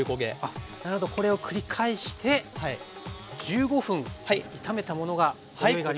なるほどこれを繰り返して１５分炒めたものがご用意があります。